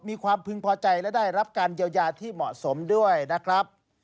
มีความพึงพอใจและได้รับการเยียวยาที่เหมาะสมด้วยนะครับ